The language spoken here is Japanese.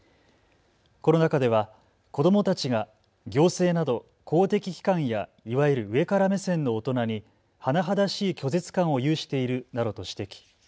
この中では子どもたちが行政など公的機関やいわゆる上から目線の大人に甚だしい拒絶感を有しているなどと指摘。